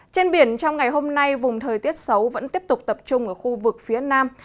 trên biển trong ngày hôm nay vùng thời tiết xấu vẫn tiếp tục tập trung ở khu vực phía nam